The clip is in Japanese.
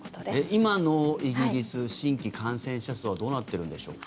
今のイギリス新規感染者数はどうなってるんでしょうか。